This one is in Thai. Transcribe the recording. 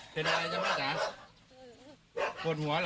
เป็นอะไรจ้ะหมอปลาโกนหัวเหรอ